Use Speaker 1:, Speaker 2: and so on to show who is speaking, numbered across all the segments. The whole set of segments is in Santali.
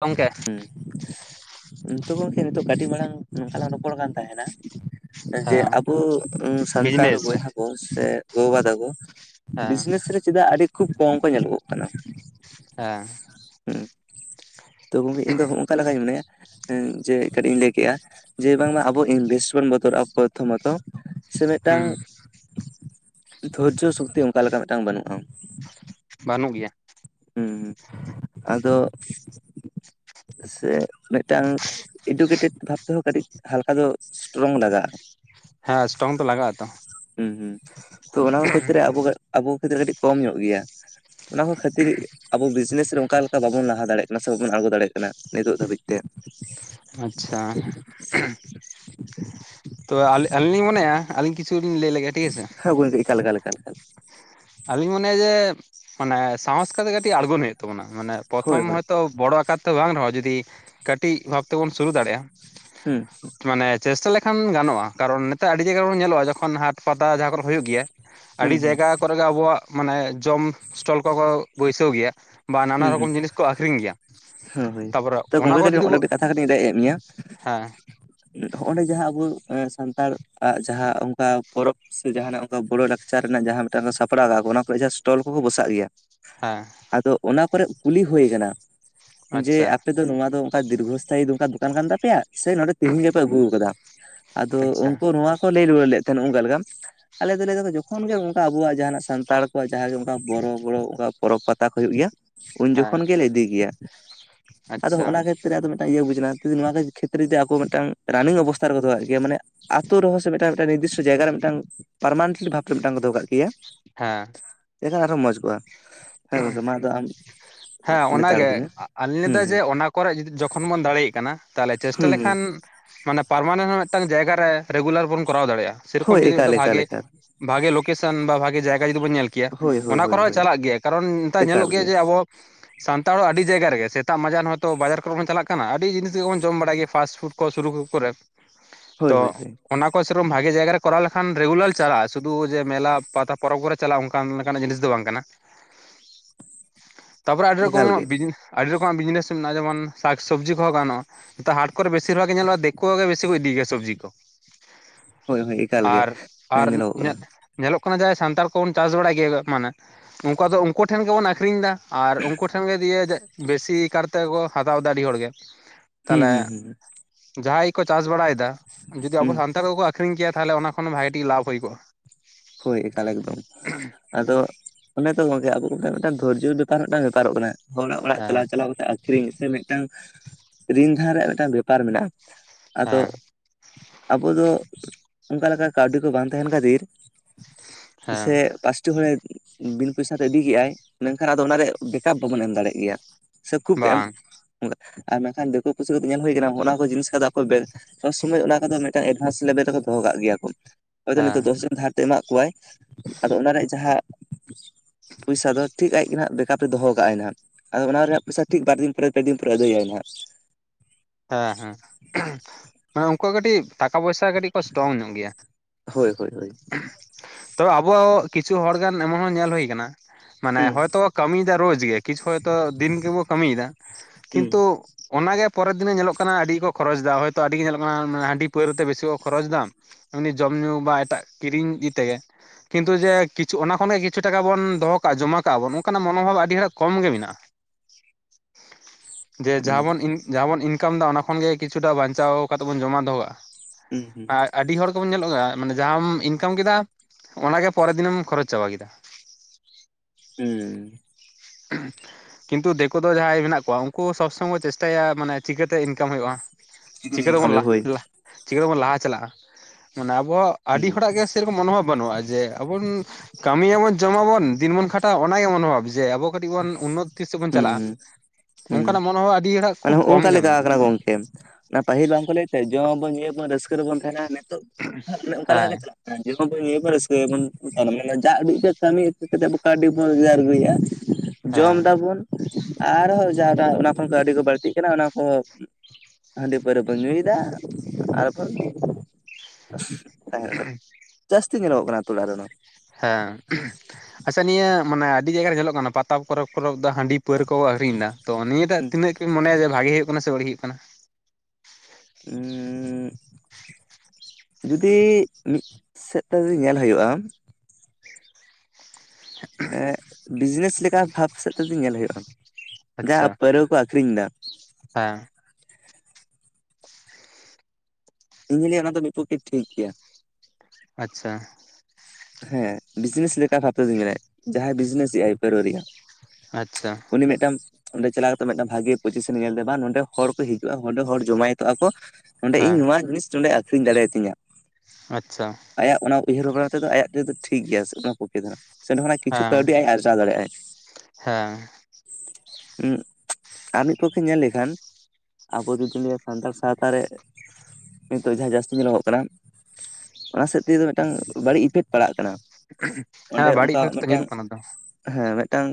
Speaker 1: ᱜᱚᱝᱠᱮ
Speaker 2: ᱦᱩᱸ ᱱᱤᱛᱚᱜ ᱜᱚᱝᱠᱮ ᱱᱤᱛᱚᱜ ᱠᱟᱹᱴᱤᱡ ᱢᱟᱲᱟᱝ ᱱᱚᱝᱠᱟ ᱞᱟᱝ ᱨᱚᱯᱚᱲ ᱠᱟᱱ ᱛᱟᱦᱮᱱᱟ᱾ ᱡᱮ
Speaker 1: ᱦᱮᱸ
Speaker 2: ᱟᱵᱚ ᱥᱟᱱᱛᱟᱲ
Speaker 1: ᱵᱤᱡᱽᱱᱮᱥ ᱨᱮ
Speaker 2: ᱵᱚᱭᱦᱟ ᱠᱚ ᱥᱮ ᱜᱚ ᱵᱟ ᱛᱟᱠᱚ
Speaker 1: ᱦᱮᱸ
Speaker 2: ᱵᱤᱥᱱᱮᱥ ᱨᱮ ᱪᱮᱫᱟᱜ ᱟᱹᱰᱤ ᱠᱷᱩᱵ ᱠᱚᱢ ᱠᱚ ᱧᱮᱞᱚᱜᱚᱜ ᱠᱟᱱᱟ
Speaker 1: ᱦᱮᱸ
Speaker 2: ᱦᱩᱸ ᱛᱚ ᱜᱚᱝᱠᱮ ᱤᱧ ᱦᱚᱸᱱᱚᱠᱟᱧ ᱞᱮᱠᱟᱹᱧ ᱢᱚᱱᱮᱭᱟ ᱦᱮᱸ ᱡᱮ ᱠᱟᱹᱴᱤᱡ ᱤᱧ ᱞᱟᱹᱭ ᱠᱮᱭᱟᱜᱼᱟ ᱡᱮ ᱵᱟᱝᱢᱟ ᱟᱵᱚ ᱤᱧ ᱤᱸᱜᱤᱥ ᱵᱚᱱ ᱵᱚᱛᱚᱨᱚᱜᱼᱟ ᱯᱚᱛᱷᱚᱢᱚ ᱛᱚ ᱥᱮ
Speaker 1: ᱦᱩᱸ
Speaker 2: ᱢᱤᱫᱴᱟᱝ ᱫᱷᱳᱨᱡᱚ ᱥᱚᱠᱛᱤ ᱚᱱᱠᱟ ᱞᱮᱠᱟ ᱢᱤᱫᱴᱟᱝ ᱵᱟᱹᱱᱩᱜᱼᱟ
Speaker 1: ᱵᱟᱹᱱᱩᱜ ᱜᱮᱭᱟ
Speaker 2: ᱦᱩᱸ ᱟᱫᱚ ᱥᱮ ᱢᱤᱫᱴᱟᱝ ᱮᱰᱩᱠᱮᱴᱮᱴ ᱵᱷᱟᱵ ᱛᱮᱦᱚᱸ ᱠᱟᱹᱴᱤᱡᱽ ᱦᱟᱞᱠᱟ ᱫᱚ ᱤᱥᱴᱚᱨᱚᱝ ᱞᱟᱜᱟᱜᱼᱟ᱾
Speaker 1: ᱦᱮᱸ ᱤᱥᱴᱚᱨᱚᱝ ᱛᱚ ᱞᱟᱜᱟᱜ ᱟᱛᱚ
Speaker 2: ᱦᱩᱸ ᱦᱩᱸ ᱛᱚ ᱚᱱᱟ ᱠᱚ ᱠᱷᱮᱛᱨᱮ ᱟᱵᱚ ᱟᱵᱚ ᱠᱚ ᱠᱷᱮᱛᱨᱮ ᱠᱟᱹᱴᱤᱡ ᱠᱚᱢ ᱧᱚᱜ ᱜᱮᱭᱟ ᱚᱱᱟ ᱠᱚ ᱠᱷᱟᱹᱛᱤᱨ ᱟᱵᱚ ᱵᱤᱡᱽᱱᱮᱥ ᱨᱮ ᱚᱱᱠᱟ ᱞᱮᱠᱟ ᱵᱟᱵᱚᱱ ᱞᱟᱦᱟ ᱫᱟᱲᱮᱭᱟᱜ ᱠᱟᱱᱟ ᱥᱮ ᱵᱟᱵᱚᱱ ᱟᱬᱜᱚ ᱫᱟᱲᱮᱭᱟᱜ ᱠᱟᱱᱟ ᱱᱤᱛᱚᱜ ᱫᱷᱟᱹᱵᱤᱡ ᱛᱮ
Speaker 1: ᱟᱪᱪᱷᱟ [unintelligible] ᱛᱚ ᱟᱹᱞᱤᱜ ᱟᱹᱞᱤᱧ ᱢᱚᱱᱮᱭᱟ ᱟᱹᱞᱤᱧ ᱠᱤᱪᱷᱩ ᱞᱤᱧ ᱞᱟᱹᱭ ᱞᱮᱜᱮ ᱴᱷᱤᱠ ᱟᱪᱷᱮ
Speaker 2: ᱦᱮᱸ ᱜᱚᱢᱠᱮ ᱮᱠᱟᱞ ᱮᱠᱟᱞ ᱮᱠᱟᱞ ᱮᱠᱟᱞ
Speaker 1: ᱟᱞᱤᱧ ᱢᱚᱱᱮᱭᱟ ᱡᱮ ᱢᱟᱱᱮ ᱥᱚᱸᱦᱩᱥ ᱠᱟᱛᱮ ᱠᱟᱹᱴᱤᱡ ᱟᱬᱜᱚᱱ ᱦᱩᱭᱩᱜ ᱛᱟᱵᱚᱱᱟ ᱢᱟᱱᱮ
Speaker 2: ᱦᱳᱭ
Speaker 1: ᱯᱨᱚᱛᱷᱚᱢ
Speaker 2: ᱦᱳᱭ
Speaker 1: ᱦᱚᱭᱛᱳ ᱵᱚᱲᱚ ᱟᱠᱟᱨ ᱛᱮ ᱵᱟᱝ ᱨᱮᱦᱚᱸ ᱡᱩᱫᱤ ᱠᱟᱹᱴᱤᱡ ᱵᱷᱟᱵ ᱛᱮᱵᱚᱱ ᱥᱩᱨᱩ ᱫᱟᱲᱮᱭᱟᱜ-ᱟ
Speaker 2: ᱦᱩᱸ
Speaker 1: ᱢᱟᱱᱮ ᱪᱮᱥᱴᱟ ᱞᱮᱠᱷᱟᱱ ᱜᱟᱱᱚᱜ-ᱟ ᱠᱟᱨᱚᱱ ᱱᱮᱛᱟᱨ ᱟᱹᱰᱤ ᱡᱟᱭᱜᱟ ᱨᱮ ᱵᱚᱱ ᱧᱮᱞᱚᱜ-ᱟ ᱡᱚᱠᱷᱚᱱ ᱦᱟᱴ ᱯᱟᱛᱟ ᱡᱟᱦᱟᱸ ᱠᱚᱨᱮ ᱦᱩᱭᱩᱜ ᱜᱮᱭᱟ
Speaker 2: ᱦᱩᱸ
Speaker 1: ᱟᱹᱰᱤ
Speaker 2: ᱦᱩᱸ
Speaker 1: ᱡᱟᱭᱜᱟ ᱠᱚᱨᱮᱜ ᱟᱵᱚᱣᱟᱜ ᱢᱟᱱᱮ ᱡᱚᱢ ᱥᱴᱚᱞ ᱠᱚᱠᱚ ᱵᱟᱹᱭᱥᱟᱹᱣ ᱜᱮᱭᱟ ᱵᱟ ᱱᱟᱱᱟ ᱨᱚᱠᱚᱢ ᱡᱤᱱᱤᱥ ᱠᱚ ᱟᱠᱷᱨᱤᱧ ᱜᱮᱭᱟ
Speaker 2: ᱦᱳ ᱦᱳᱭ
Speaker 1: ᱛᱟᱯᱚᱨᱮ
Speaker 2: ᱛᱳ
Speaker 1: ᱚᱱᱟ
Speaker 2: ᱜᱚᱝᱠᱮ
Speaker 1: ᱠᱚ
Speaker 2: ᱠᱟᱹᱴᱤᱡ
Speaker 1: ᱡᱩᱫᱤ
Speaker 2: ᱦᱚᱸᱰᱮ
Speaker 1: ᱵᱚ
Speaker 2: ᱠᱟᱛᱷᱟ ᱠᱟᱹᱴᱤᱡ ᱤᱧ ᱨᱮᱡ ᱮᱫ ᱢᱮᱭᱟ
Speaker 1: [inaudible]
Speaker 2: ᱦᱚᱜ ᱚᱰᱮ ᱡᱟᱦᱟᱸ ᱟᱵᱚ ᱮᱸ ᱥᱟᱱᱛᱟᱲ ᱟᱸ ᱡᱟᱦᱟᱸ ᱚᱱᱠᱟ ᱯᱚᱨᱚᱵᱽ ᱥᱮ ᱡᱟᱦᱟᱱᱟᱜ ᱚᱝ [unintelligible] ᱞᱟᱠᱪᱟᱨ ᱨᱮᱱᱟᱜ ᱡᱟᱦᱟᱸ ᱢᱤᱫᱴᱟᱝ ᱫᱚ ᱥᱟᱯᱲᱟᱣ ᱫᱟ ᱵᱚ ᱚᱱᱟ ᱠᱚ ᱡᱟ ᱥᱴᱚᱞ ᱠᱚᱠᱚ ᱵᱚᱥᱟᱜ ᱜᱮᱭᱟ
Speaker 1: ᱦᱮᱸ
Speaker 2: ᱟᱫᱚ ᱚᱱᱟ ᱠᱚᱨᱮᱜ ᱠᱩᱞᱤ ᱦᱩᱭ ᱠᱟᱱᱟ ᱡᱮ
Speaker 1: ᱟᱪᱪᱷᱟ
Speaker 2: ᱟᱯᱮ ᱫᱚ ᱱᱚᱣᱟ ᱫᱚ ᱚᱱᱠᱟ ᱫᱤᱨᱜᱚ ᱤᱥᱛᱷᱟᱭᱤ ᱫᱚᱠᱟᱱ ᱠᱟᱱ ᱛᱟᱯᱮᱭᱟ ᱥᱮ ᱱᱚᱸᱰᱮ ᱛᱤᱦᱤᱧ ᱜᱮᱯᱮ ᱟᱹᱜᱩᱣ ᱠᱟᱫᱟ ᱟᱫᱚ
Speaker 1: ᱟᱪᱪᱷᱟ
Speaker 2: ᱩᱱᱠᱩ ᱱᱚᱣᱟ ᱠᱚ ᱞᱟᱹᱭ ᱨᱩᱣᱟᱹᱲ ᱞᱮᱫ ᱛᱮᱱ ᱚᱱᱠᱟ ᱞᱮᱠᱟ ᱟᱞᱮ ᱫᱚ ᱞᱟᱹᱭ ᱫᱟᱞᱮ ᱡᱚᱠᱷᱚᱱ ᱜᱮ ᱚᱱᱠᱟ ᱟᱵᱚᱣᱟᱜ ᱡᱟᱦᱟᱱᱟᱜ ᱥᱟᱱᱛᱟᱲ ᱠᱚ ᱡᱟᱦᱟᱸ ᱜᱮ ᱚᱱᱠᱟ ᱵᱚᱨᱚ ᱵᱚᱨᱚ ᱚᱱᱠᱟ ᱯᱚᱨᱚᱵᱽ ᱯᱟᱛᱟ ᱠᱚ ᱦᱩᱭᱩᱜ ᱜᱮᱭᱟ ᱩᱱ
Speaker 1: ᱦᱮᱸ
Speaker 2: ᱡᱚᱠᱷᱚᱱ ᱜᱮᱞᱮ ᱤᱫᱤ ᱜᱮᱭᱟ ᱟᱫᱚ
Speaker 1: ᱟᱪᱪᱷᱟ
Speaker 2: ᱦᱚᱸᱜ-ᱱᱟ ᱠᱷᱮᱛ ᱛᱨᱮ ᱢᱤᱫᱟᱝ ᱤᱭᱟᱹ ᱵᱩᱡᱽᱱᱟ ᱡᱩᱫᱤ ᱱᱚᱣᱟ ᱠᱷᱮᱛᱨᱮ ᱡᱩᱫᱤ ᱟᱵᱚ ᱢᱤᱫᱴᱟᱝ ᱨᱟᱱᱤᱝ ᱚᱵᱚᱥᱛᱛᱟ ᱨᱮᱫᱚ ᱦᱟᱜ ᱜᱮᱭᱟ ᱢᱟᱱᱮ ᱟᱛᱳ ᱨᱮᱦᱚᱸ ᱥᱮ ᱢᱤᱫᱴᱟᱝ ᱢᱤᱫᱴᱟᱝ ᱱᱤᱨᱫᱤᱥᱴᱚ ᱡᱟᱭᱜᱟ ᱨᱮ ᱢᱤᱫᱴᱟᱝ ᱯᱟᱨᱢᱟᱱᱮᱱᱴ ᱵᱷᱟᱵᱽ ᱛᱮ ᱢᱤᱫᱴᱟᱝ ᱠᱚ ᱫᱚᱦᱚ ᱠᱟᱜ ᱠᱮᱭᱟ
Speaker 1: ᱦᱮᱸ
Speaker 2: ᱮᱠᱷᱟᱱ ᱟᱨᱦᱚᱸ ᱢᱚᱸᱡᱽ ᱠᱚᱜ-ᱟ ᱦᱮᱸ ᱜᱚᱝᱠᱮ ᱢᱟ ᱟᱫᱚ ᱟᱢ
Speaker 1: ᱦᱮᱸ ᱚᱱᱟ
Speaker 2: ᱞᱮᱛᱟᱲ
Speaker 1: ᱜᱮ
Speaker 2: ᱤᱫᱤ ᱢᱮ
Speaker 1: ᱟᱹᱞᱤᱧ ᱞᱟᱹᱭ
Speaker 2: ᱦᱩᱸ
Speaker 1: ᱫᱟ ᱡᱮ
Speaker 2: ᱦᱩᱸ
Speaker 1: ᱚᱱᱟ ᱠᱚᱨᱮᱡ ᱡᱩᱫᱤ ᱡᱚᱠᱷᱚᱱ ᱵᱚᱱ ᱫᱟᱲᱮᱭᱟᱜ ᱠᱟᱱᱟ ᱛᱟᱦᱚᱞᱮ ᱪᱮᱥᱴᱟ
Speaker 2: ᱦᱩᱸ ᱦᱩᱸ
Speaker 1: ᱞᱮᱠᱷᱟᱱ ᱢᱟᱱᱮ ᱯᱟᱨᱢᱟᱱᱮᱱᱴ ᱦᱚᱸ ᱢᱤᱫᱴᱟᱝ ᱡᱟᱭᱜᱟ ᱨᱮ ᱨᱮᱜᱩᱞᱟᱨ ᱵᱚᱱ ᱠᱚᱨᱟᱣ ᱫᱟᱲᱮᱭᱟᱜ-ᱟ ᱥᱮᱨᱚᱠᱚᱢ
Speaker 2: ᱦᱳᱭ
Speaker 1: ᱡᱩᱫᱤ
Speaker 2: ᱮᱠᱟᱞ
Speaker 1: ᱢᱤᱫᱴᱮᱱ
Speaker 2: ᱮᱠᱟᱞ
Speaker 1: ᱵᱷᱟᱜᱮ
Speaker 2: ᱮᱠᱟᱞ
Speaker 1: ᱵᱷᱟᱜᱮ ᱞᱳᱠᱮᱥᱚᱱ ᱵᱟ ᱵᱷᱟᱜᱮ ᱡᱟᱭᱜᱟ ᱡᱩᱫᱤ ᱵᱚᱱ ᱧᱮᱞ ᱠᱮᱭᱟ
Speaker 2: ᱦᱳᱭ ᱦᱳᱭ
Speaker 1: ᱚᱱᱟ
Speaker 2: ᱦᱳᱭ
Speaker 1: ᱠᱚᱨᱮ ᱦᱚᱸ
Speaker 2: ᱦᱳᱭ
Speaker 1: ᱪᱟᱞᱟᱜ ᱜᱮᱭᱟ ᱠᱟᱨᱚᱱ ᱱᱮᱛᱟᱨ
Speaker 2: ᱮᱠᱟᱞ
Speaker 1: ᱧᱮᱞᱚᱜ ᱜᱮᱭᱟ
Speaker 2: ᱜᱮ
Speaker 1: ᱡᱮ ᱟᱵ [unintelligible] ᱥᱟᱱᱛᱟᱲ ᱦᱚᱲ ᱟᱹᱰᱤ ᱡᱟᱭᱜᱟ ᱨᱮᱜᱮ ᱥᱮᱛᱟᱜ ᱢᱟᱡᱟᱱ ᱦᱚᱭᱛᱳ ᱵᱟᱡᱟᱨ ᱠᱚᱨᱮ ᱵᱚᱱ ᱪᱟᱞᱟᱜ ᱠᱟᱱᱟ ᱟᱹᱰᱤ ᱡᱤᱱᱤᱥ ᱜᱮ ᱵᱚᱱ ᱡᱚᱢ ᱵᱟᱲᱟᱭ ᱜᱮᱭᱟ ᱯᱷᱟᱥᱴ ᱯᱷᱩᱰ ᱠᱚ ᱥᱩᱨᱩ ᱠᱚ ᱠᱚᱨᱮ
Speaker 2: ᱦᱳᱭ
Speaker 1: ᱛᱚ
Speaker 2: ᱦᱳᱭ ᱦᱳᱭ
Speaker 1: ᱚᱱᱟ ᱠᱚ ᱥᱮᱨᱚᱠᱚᱢ ᱵᱷᱟᱜᱮ ᱡᱟᱭᱜᱟ ᱨᱮ ᱠᱚᱨᱟᱣ ᱞᱮᱠᱷᱟᱱ ᱨᱮᱜᱩᱞᱟᱨ ᱪᱟᱞᱟᱜ-ᱟ ᱥᱩᱫᱩ ᱡᱮ ᱢᱮᱞᱟ ᱯᱟᱛᱟ ᱯᱚᱨᱚᱵᱽ ᱠᱚᱨᱮ ᱪᱟᱞᱟᱜ-ᱟ ᱚᱱᱠᱟ ᱞᱮᱠᱟᱱᱟᱜ ᱡᱤᱱᱤᱥ ᱫᱚ ᱵᱟᱝ ᱠᱟᱱᱟ ᱛᱟᱯᱚᱨᱮ ᱟᱹᱰᱤ
Speaker 2: ᱮᱠᱟᱞ ᱜᱮ
Speaker 1: ᱨᱚᱠᱚᱢᱟᱜ [unintelligible] ᱟᱹᱰᱤ ᱨᱚᱠᱚᱢᱟᱜ ᱵᱤᱡᱽᱱᱮᱥ ᱢᱮᱱᱟᱜ-ᱟ ᱡᱮᱢᱚᱱ ᱥᱟᱠᱥᱚᱵᱽᱡᱤ ᱠᱚᱦᱚᱸ ᱜᱟᱱᱚᱜ-ᱟ ᱱᱮᱛᱟᱨ ᱦᱟᱴ ᱠᱚᱨᱮ ᱵᱮᱥᱤᱨ ᱵᱷᱟᱜᱽ ᱧᱮᱞᱚᱜ-ᱟ ᱫᱤᱠᱩᱣᱟᱜ ᱜᱮ ᱵᱮᱥᱤ ᱠᱚ ᱤᱫᱤ ᱜᱮᱭᱟ ᱥᱚᱵᱡᱤ ᱠᱚ
Speaker 2: ᱦᱳᱭ ᱦᱳᱭ ᱮᱠᱟᱞ ᱜᱮ
Speaker 1: ᱟᱨ ᱟᱨ
Speaker 2: ᱦᱮᱸ ᱧᱮᱞᱚᱜᱚᱜ ᱠᱟᱱᱟ
Speaker 1: [unintelligible] ᱧᱮᱞᱚᱜ ᱠᱟᱱᱟ ᱡᱟᱦᱟᱭ ᱥᱟᱱᱛᱟᱲ ᱠᱚᱵᱚᱱ ᱪᱟᱥ ᱵᱟᱲᱟᱭ ᱜᱮᱣᱟ ᱢᱟᱱᱮ ᱩᱱᱠᱩᱣᱟᱜ ᱫᱚ ᱩᱱᱠᱩ ᱴᱷᱮᱱ ᱜᱮᱵᱚᱱ ᱟᱠᱷᱨᱤᱧ ᱫᱟ ᱟᱨ ᱩᱱᱠᱩ ᱴᱷᱮᱱ ᱜᱮ ᱫᱤᱭᱮ ᱵᱮᱥᱤ ᱠᱟᱨᱛᱮ ᱠᱚ ᱦᱟᱛᱟᱣ ᱫᱟ ᱟᱹᱰᱤ ᱦᱚᱲ ᱜᱮ᱾
Speaker 2: ᱦᱩᱸ ᱦᱩᱸ
Speaker 1: ᱛᱟᱦᱚᱞᱮ
Speaker 2: ᱦᱩᱸ
Speaker 1: ᱡᱟᱦᱟᱸᱭ ᱠᱚ ᱪᱟᱥ ᱵᱟᱲᱟᱭ ᱮᱫᱟ ᱡᱩᱫᱤ
Speaker 2: ᱦᱩᱸ
Speaker 1: ᱟᱵᱚ ᱥᱟᱱᱛᱟᱲ ᱠᱚ ᱠᱚ ᱟ ᱟᱠᱷᱨᱤᱧ ᱠᱮᱭᱟ ᱛᱟᱦᱚᱞᱮ ᱚᱱᱟ ᱠᱷᱚᱱ ᱦᱚᱸ ᱵᱷᱟᱹᱜᱤ ᱴᱷᱤᱠ ᱞᱟᱵᱷ ᱦᱩᱭ ᱠᱚᱜ-ᱟ
Speaker 2: ᱦᱳᱭ ᱮᱠᱟᱞ ᱮᱠᱫᱚᱢ ᱟᱫᱚ ᱚᱱᱮ ᱛᱚ ᱜᱚᱝᱠᱮ ᱟᱵᱚ ᱠᱚ ᱴᱷᱮᱱ ᱢᱤᱫᱴᱟᱝ ᱫᱷᱳᱨᱡᱚ ᱵᱮᱯᱟᱨ ᱢᱤᱫᱴᱟᱝ ᱵᱮᱯᱟᱨᱚᱜ ᱠᱟᱱᱟ ᱦᱚᱲᱟᱜ ᱚᱲᱟᱜ ᱪᱟᱞᱟᱣ
Speaker 1: ᱦᱮᱸ
Speaker 2: ᱪᱟᱞᱟᱣ ᱠᱟᱛᱮ ᱟᱹᱠᱷᱨᱤᱧ ᱥᱮ ᱢᱤᱫᱴᱟᱝ ᱨᱤᱱ ᱫᱷᱟᱨ ᱨᱮᱭᱟᱜ ᱢᱤᱫᱴᱟᱝ ᱵᱮᱯᱟᱨ ᱢᱮᱱᱟᱜ-ᱟ ᱟᱫᱚ
Speaker 1: ᱦᱮᱸ
Speaker 2: ᱟᱵᱚ ᱫᱚ ᱚᱱᱠᱟ ᱞᱮᱠᱟ ᱠᱟᱹᱣᱰᱤ ᱠᱚ ᱵᱟᱝ ᱛᱟᱦᱮᱱ ᱠᱷᱟᱹᱛᱤᱨ
Speaker 1: ᱦᱮᱸ
Speaker 2: ᱥᱮ ᱯᱟᱥᱴᱤ ᱦᱚᱲᱮ ᱵᱤᱱ ᱯᱚᱭᱥᱟ ᱛᱮ ᱤᱫᱤ ᱠᱮᱜᱟᱭ ᱢᱮᱱᱠᱷᱟᱱ ᱟᱫᱚ ᱚᱱᱟ ᱨᱮ ᱵᱮᱠᱟᱯ ᱵᱟᱵᱚᱱ ᱮᱢ ᱫᱟᱲᱮᱭᱟᱜ ᱜᱮᱭᱟ ᱥᱮ ᱠᱷᱩᱵ ᱮᱢ
Speaker 1: ᱵᱟᱝ
Speaker 2: ᱟᱨ ᱢᱮᱱᱠᱷᱟᱱ ᱡᱚᱛᱚ ᱯᱩᱥᱤ ᱫᱚᱠᱚ ᱧᱮᱞ ᱦᱩᱭ ᱠᱟᱱᱟ ᱚᱱᱟ ᱠᱚ ᱡᱤᱱᱤᱥ ᱠᱷᱟᱡ ᱫᱚ ᱟᱠᱚᱣᱟᱜ ᱵᱮᱥ ᱥᱚᱵ ᱥᱚᱢᱚᱭ ᱚᱱᱟ ᱠᱚᱫᱚ ᱢᱤᱫᱴᱮᱱ ᱮᱰᱵᱷᱟᱱᱥ ᱞᱮᱵᱮᱞ ᱨᱮᱠᱚ ᱫᱚᱦᱚ ᱠᱟᱜ ᱜᱮᱣᱟ ᱠᱚ ᱦᱚᱭᱛᱚ ᱱᱤᱛᱚᱜ
Speaker 1: ᱦᱮᱸ
Speaker 2: ᱫᱚᱥ ᱡᱚᱱ ᱫᱷᱟᱨ‍᱾ ᱮᱢᱟᱜ ᱠᱚᱣᱟᱭ ᱟᱫᱚ ᱚᱱᱟᱨᱮ ᱡᱟᱦᱟᱸ᱾ ᱯᱚᱭᱥᱟ ᱫᱚ ᱴᱷᱤᱠ ᱟᱡ ᱜᱮ ᱱᱟᱦᱟᱜ ᱵᱮᱠᱟᱯᱮ ᱫᱚᱦᱚ ᱠᱟᱜᱟᱭ ᱱᱟᱦᱟᱜ᱾ ᱟᱫᱚ ᱚᱱᱟ ᱨᱮᱭᱟᱜ ᱯᱚᱭᱟ ᱴᱷᱤᱠ ᱵᱟᱨ ᱫᱤᱱ ᱯᱮ ᱯᱮ ᱫᱤᱱ ᱯᱚᱨ ᱟᱹᱫᱟᱹᱭᱣᱟ ᱱᱟᱦᱟᱜ᱾
Speaker 1: ᱦᱮᱸ ᱦᱮᱸ ᱢᱟᱱᱮ ᱩᱱᱠᱩᱣᱟᱜ ᱠᱟᱹᱴᱤᱡ᱾ ᱴᱟᱠᱟ ᱯᱚᱭᱥᱟ ᱠᱟᱹᱴᱤᱡ ᱠᱚ ᱥᱴᱨᱚᱝ ᱧᱚᱜ ᱜᱮᱣᱟ᱾
Speaker 2: ᱦᱳᱭ ᱦᱳᱭ ᱦᱳᱭ
Speaker 1: ᱛᱚ ᱟᱵᱚᱣᱟᱜ ᱠᱤᱪᱷᱩ ᱦᱚᱲ ᱜᱟᱱ ᱮᱢᱚᱱ ᱦᱚᱸ ᱧᱮᱞ ᱦᱩᱭ ᱠᱟᱱᱟ ᱢᱟᱱᱮ
Speaker 2: ᱦᱩᱸ
Speaker 1: ᱦᱚᱭᱛᱳ᱾ ᱠᱟᱹᱢᱤᱭᱮᱫᱟ ᱨᱳᱡᱽ ᱜᱮ ᱠᱤᱪᱷᱩ ᱦᱚᱭᱛᱚ ᱫᱤᱱ ᱜᱮᱵᱚ ᱠᱟᱹᱢᱤᱭᱮᱫᱟ
Speaker 2: ᱦᱩᱸ
Speaker 1: ᱠᱤᱱᱛᱩ ᱚᱱᱟᱜᱮ‍᱾ ᱯᱚᱨᱮᱨ ᱫᱤᱱᱮ ᱧᱮᱞᱚᱜ ᱠᱟᱱᱟ ᱟᱹᱰᱤ ᱜᱮ ᱠᱚ ᱠᱷᱚᱨᱚᱪ ᱮᱫᱟ ᱦᱚᱭᱛᱚ ᱟᱹᱰᱤ ᱜᱮ ᱧᱮᱞᱚᱜ ᱠᱟᱱᱟ ᱦᱟᱸᱰᱤ ᱯᱟᱹᱣᱨᱟᱹᱛᱮ ᱵᱮᱥᱤ ᱠᱚ ᱠᱷᱚᱨᱚᱪ ᱫᱟ᱾ ᱮᱢᱱᱤ ᱡᱚᱢ ᱧᱩ ᱵᱟ ᱮᱴᱟᱜ ᱠᱤᱨᱤᱧ ᱤᱫᱤ ᱛᱮᱜᱮ᱾ ᱠᱤᱱᱛᱩ ᱡᱮ ᱠᱤᱪᱷᱩ ᱚᱱᱟ ᱠᱷᱚᱱ ᱜᱮ ᱠᱤᱪᱷᱩ ᱴᱟᱠᱟ ᱵᱚᱱ ᱫᱚᱦᱚ ᱠᱟᱜᱼᱟ ᱡᱚᱢᱟ ᱠᱟᱜᱼᱟ ᱵᱚᱱ ᱚᱱᱠᱟᱱᱟᱜ ᱢᱚᱱᱚᱵᱷᱟᱵ ᱟᱹᱰᱤ ᱦᱚᱲᱟᱜ ᱠᱚᱢ ᱜᱮ ᱢᱮᱱᱟᱜᱼᱟ᱾ [unintelligible] ᱡᱮ
Speaker 2: ᱦᱩᱸ
Speaker 1: ᱡᱟᱦᱟᱸ ᱵᱚᱱ ᱡᱟᱦᱟᱸ ᱵᱚᱱ ᱤᱱᱠᱟᱢ ᱫᱟ ᱚᱱᱟ ᱠᱷᱚᱱ ᱜᱮ ᱠᱤᱪᱷᱩᱴᱟ ᱵᱟᱧᱪᱟᱣ ᱠᱟᱛᱮᱫ ᱵᱚᱱ ᱡᱚᱢᱟ ᱫᱚᱦᱚᱼᱟ᱾
Speaker 2: ᱦᱩᱸ
Speaker 1: ᱟᱨ ᱟᱹᱰᱤ ᱦᱚᱲ ᱟᱨ ᱦᱚᱸ ᱧᱮᱞᱚᱜ ᱢᱟᱱᱮ ᱡᱟᱦᱟᱸᱟᱢ ᱤᱱᱠᱟᱢ ᱠᱮᱫᱟ ᱚᱱᱟᱜᱮ ᱯᱚᱨᱮᱨ ᱫᱤᱱᱮᱢ ᱠᱷᱚᱨᱚᱪ ᱪᱟᱵᱟ ᱠᱮᱫᱟ᱾
Speaker 2: ᱦᱩᱸ
Speaker 1: [unintelligible] ᱠᱤᱱᱛᱩ ᱫᱤᱠᱚ ᱫᱚ ᱡᱟᱦᱟᱸᱭ ᱢᱮᱱᱟᱜ ᱠᱚᱣᱟ ᱩᱱᱠᱩ ᱥᱚᱵ ᱥᱚᱢᱚᱭ ᱠᱚ ᱪᱮᱥᱴᱟᱣᱟ ᱢᱟᱱᱮ ᱪᱤᱠᱟᱛᱮ ᱤᱱᱠᱟᱢ ᱦᱩᱭᱩᱜᱼᱟ᱾ ᱪᱤᱠᱟᱹᱛᱮᱵᱚᱱ
Speaker 2: ᱦᱩᱸ ᱦᱳᱭ
Speaker 1: ᱞᱟᱻᱞᱟ ᱪᱤᱠᱟᱹᱛᱮᱵᱚᱱ ᱞᱟᱦᱟ ᱪᱟᱞᱟᱜᱼᱟ ᱢᱟᱱᱮ ᱟᱵᱚ ᱟᱵᱚᱣᱟᱜ ᱟᱹᱰᱤ
Speaker 2: ᱦᱩᱸ
Speaker 1: ᱦᱚᱲᱟᱜ ᱜᱮ ᱥᱮ ᱨᱚᱠᱚᱢ ᱢᱚᱱᱚᱵᱷᱚᱵᱽ ᱵᱟᱹᱱᱩᱜᱼᱟ ᱡᱮ ᱟᱵᱚ ᱨᱮᱱ ᱠᱟᱹᱢᱤ ᱟᱵᱚᱱ ᱡᱚᱢᱟᱵᱚᱱ ᱫᱤᱱ ᱵᱚᱱ ᱠᱷᱟᱴᱟᱜᱼᱟ ᱚᱱᱟ ᱜᱮ ᱢᱚᱱᱚᱵᱷᱟᱵ ᱡᱮ ᱟᱵᱚ‍᱾ ᱠᱟᱹᱴᱤᱡ ᱵᱚᱱ ᱩᱱᱱᱚᱛ ᱛᱤᱥ ᱥᱮᱫ ᱵᱚᱱ ᱪᱟᱞᱟᱜᱼᱟ
Speaker 2: ᱦᱩᱸ ᱦᱩᱸ
Speaker 1: ᱚᱱᱠᱟᱱᱟᱜ ᱢᱚᱱᱮ ᱦᱚᱸ ᱟᱹᱰᱤ ᱦᱚᱲᱟᱜ ᱠᱷᱩᱵ ᱠᱚᱢ ᱜᱮ ᱢᱮᱱᱟᱜᱼᱟ᱾
Speaker 2: ᱛᱮᱢ ᱚᱱᱟ ᱯᱟᱹᱦᱤᱞ ᱵᱟᱝᱠᱚ ᱞᱟᱹᱭ ᱛᱟᱦᱮᱸ ᱡᱚᱢᱟᱵᱚᱱ ᱧᱩᱭᱟᱵᱚᱱ ᱨᱟᱹᱥᱠᱟᱹ ᱨᱮᱵᱚᱱ ᱛᱟᱦᱮᱱᱟ ᱱᱤᱛᱚᱜ ᱦᱟᱜ ᱚᱱᱠᱟ ᱞᱮᱠᱟ ᱜᱮ
Speaker 1: ᱦᱮᱸ
Speaker 2: ᱪᱟᱞᱟᱜᱼᱟ᱾ ᱡᱚᱢᱟᱵᱚᱱ ᱧᱩᱭ ᱨᱟᱹᱥᱠᱟᱹᱭᱟᱵᱚᱱ ᱢᱟᱱᱮ ᱡᱟᱜ ᱩᱰᱩᱜ ᱜᱮ ᱠᱟᱹᱢᱤ ᱟᱹ ᱠᱟᱛᱮᱫ ᱠᱟᱹᱣᱰᱤ ᱵᱚᱱ ᱨᱳᱡᱽᱟᱨ ᱟᱹᱜᱩᱭᱮᱫᱼᱟ᱾ ᱡᱚᱢ
Speaker 1: ᱦᱮᱸ
Speaker 2: ᱫᱟᱵᱚᱱ ᱟᱨᱦᱚᱸ ᱡᱟᱦᱟᱸ ᱴᱟᱜ ᱚᱱᱟ ᱠᱷᱚᱱ ᱠᱟᱹᱣᱰᱤ ᱠᱚ ᱵᱟᱹᱲᱛᱤᱜ ᱠᱟᱱᱟ ᱚᱱᱟ ᱠᱚᱦᱚ‍᱾ ᱦᱟ‍ᱸᱰᱤ ᱯᱟᱹᱣᱨᱟᱹ ᱵᱚᱱ ᱧᱩᱭᱮᱫᱟ ᱟᱨ ᱵᱚᱱ᱾ ᱛᱟᱦᱮᱱ ᱠᱟᱱᱟ ᱡᱟᱹᱥᱛᱤ ᱧᱮᱞᱚᱜ ᱠᱟᱱᱟᱛᱚ ᱚᱲᱟᱜ ᱨᱮ ᱚᱱᱟᱠᱚ᱾
Speaker 1: ᱦᱮᱸ ᱟᱪᱪᱷᱟ ᱱᱤᱭᱟᱹ ᱢᱟᱱᱮ ᱟᱹᱰᱤ ᱡᱟᱭᱜᱟ ᱨᱮ ᱧᱮᱞᱚᱜ ᱠᱟᱱᱟ ᱯᱟᱛᱟ᱾ ᱯᱟᱛᱟ ᱯᱚᱨᱚᱵᱽ ᱯᱚᱨᱚᱵᱽ ᱫᱚ ᱦᱟᱺᱰᱤ ᱯᱟᱹᱣᱟᱹ ᱠᱚᱠᱚ ᱟᱹᱠᱷᱨᱤᱧᱮᱫᱟ ᱛᱚ ᱱᱤᱣᱟᱹ ᱫᱟᱜ ᱛᱤᱱᱟᱹᱜ ᱜᱮ ᱢᱚᱱᱮ ᱡᱮ ᱵᱷᱟᱜᱮ ᱦᱩᱭᱩᱜ ᱠᱟᱱᱟ ᱥᱮ ᱵᱟᱹᱲᱤᱡ ᱦᱩᱭᱩᱜ ᱠᱟᱱᱟ
Speaker 2: ᱩᱸᱻ ᱡᱩᱫᱤ ᱢᱤᱫ ᱥᱮᱫ ᱛᱮ ᱡᱩᱫᱤ ᱧᱮᱞ ᱦᱩᱭᱩᱜᱼᱟ᱾
Speaker 1: [unintelligible]
Speaker 2: ᱮᱸ ᱵᱤᱡᱽᱱᱮᱥ ᱞᱮᱠᱟ ᱵᱷᱟᱵᱽ ᱥᱮᱫ ᱛᱮᱫᱚ ᱧᱮᱞ ᱦᱩᱭᱩᱜᱼᱟ ᱡᱟ
Speaker 1: ᱟᱪᱪᱷᱟ
Speaker 2: ᱯᱟᱹᱨᱣᱟᱹ ᱠᱚ ᱟᱠᱷᱨᱤᱧ ᱫᱟ᱾
Speaker 1: ᱦᱮᱸ
Speaker 2: ᱤᱧ ᱞᱟᱹᱭᱟ ᱚᱱᱟ ᱢᱤᱫ ᱯᱩᱠᱷᱮ ᱴᱷᱤᱠ ᱜᱮᱣᱟ‍᱾
Speaker 1: ᱟᱪᱪᱷᱟ
Speaker 2: ᱦᱮᱸ ᱵᱤᱡᱽᱱᱮᱥ ᱞᱮᱠᱟ ᱵᱷᱟᱵ ᱛᱮᱢ ᱧᱮᱞᱮᱣᱟ ᱡᱟᱦᱟᱸᱭ ᱵᱤᱡᱱᱮᱥ ᱟᱭᱟᱭ ᱯᱟᱹᱨᱣᱟᱹ ᱨᱮᱭᱟᱜ᱾
Speaker 1: ᱟᱪᱪᱷᱟ
Speaker 2: ᱩᱱᱤ ᱢᱮᱴᱟᱢ ᱚᱸᱰᱮ ᱪᱟᱞᱟᱣ ᱠᱟᱛᱮᱜ ᱢᱤᱫᱴᱟᱝ ᱵᱷᱟᱜᱤ ᱯᱚᱡᱤᱥᱚᱱ ᱧᱮᱞ ᱫ ᱵᱟᱝ ᱱᱚᱸᱰᱮ ᱦᱚᱲ ᱠᱚ ᱦᱤᱡᱩᱜᱼᱟ ᱚᱸᱰᱮ ᱦᱚᱲ ᱡᱚᱢᱟᱭ ᱠᱚᱜᱼᱟ ᱠᱚ, ᱚᱸᱰᱮ
Speaker 1: ᱦᱮᱸ
Speaker 2: ᱤᱧ ᱱᱚᱣᱟ ᱡᱤᱱᱤᱥ ᱱᱚᱸᱰᱮ ᱟᱠᱷᱨᱤᱧ ᱫᱟᱲᱮᱭᱟᱛᱤᱧᱟ᱾
Speaker 1: ᱟᱪᱪᱷᱟ
Speaker 2: ᱟᱭᱟᱜ ᱚᱱᱟ ᱩᱭᱦᱟᱹᱨ ᱵᱷᱟᱵᱱᱟ ᱛᱮᱫᱚ ᱟᱭᱟᱜ ᱛᱮᱫᱚ ᱴᱷᱤᱠ ᱜᱮᱭᱟ ᱥᱮ ᱚᱱᱟ ᱯᱚᱠᱠᱷᱮ ᱫᱚ ᱦᱟᱸᱜ᱾ ᱥᱮᱸᱱᱚ ᱚᱭᱱᱟᱜ ᱠᱤᱪᱷᱩ
Speaker 1: ᱦᱮᱸ
Speaker 2: ᱠᱟᱹᱣᱰᱤ ᱟᱡ ᱟᱨᱡᱟᱣ ᱫᱟᱲᱮᱭᱟᱜᱼᱟᱭ᱾
Speaker 1: ᱦᱮᱸ
Speaker 2: ᱦᱩᱸ ᱟᱨ ᱢᱤᱫ ᱯᱚᱠᱠᱷᱮ ᱧᱮᱞ ᱞᱮᱠᱷᱟᱱ᱾ ᱟᱵᱚ ᱡᱩᱫᱤᱢ ᱞᱮᱭᱟᱹ ᱥᱟᱱᱛᱟᱲ ᱥᱟᱶᱛᱟ ᱨᱮ ᱱᱤᱛᱚᱜ ᱡᱟᱦᱟᱸ ᱡᱟᱹᱥᱛᱤ ᱧᱮᱞᱚᱜᱚᱜ ᱠᱟᱱᱟ᱾ ᱚᱱᱟ ᱥᱮᱫ ᱛᱮᱫᱚ ᱢᱤᱫᱴᱟᱝ ᱵᱟᱹᱲᱤᱡ ᱤᱯᱷᱮᱠᱴ᱾ ᱯᱟᱲᱟᱜ ᱠᱟᱱᱟ ᱚᱸᱰᱮ
Speaker 1: ᱦᱮᱸ ᱵᱟᱹᱲᱤᱡ
Speaker 2: ᱚᱱᱠᱟ
Speaker 1: ᱤᱯᱷᱮᱠᱴ ᱛᱚ
Speaker 2: ᱢᱤᱫᱴᱟᱝ
Speaker 1: ᱧᱩᱨᱩᱜ ᱠᱟᱱᱟ ᱛᱚ
Speaker 2: ᱦᱮᱸ ᱢᱤᱫᱴᱟᱝ᱾